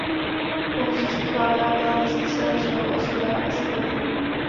Po husitských válkách byla vesnice znovu osídlena i s tvrzí.